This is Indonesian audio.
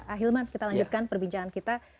ahilman kita lanjutkan perbincangan kita